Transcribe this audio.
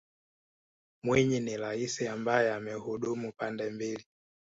mwinyi ni raisi ambaye amehudumu pande mbili